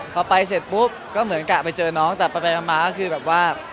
พอไปเสร็จปุ๊บก็เหมือนกะไปเจอน้องแต่ไปมาก็คือแบบว่า